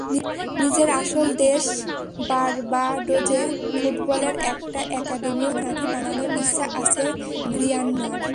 নিজের আসল দেশ বারবাডোজে ফুটবলের একটা একাডেমিও নাকি বানানোর ইচ্ছা আছে রিয়ান্নার।